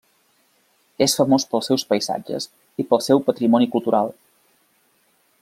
És famós pels seus paisatges, i pel seu patrimoni cultural.